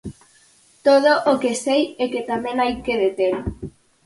Todo o que sei é que tamén hai que detelo.